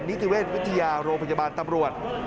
นิติเวชวิทยาโรงพยาบาลตำรวจ